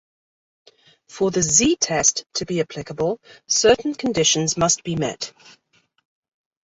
For the "Z"-test to be applicable, certain conditions must be met.